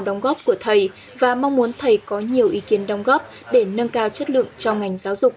đóng góp của thầy và mong muốn thầy có nhiều ý kiến đóng góp để nâng cao chất lượng cho ngành giáo dục